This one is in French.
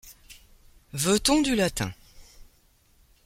Veut-on du latin ?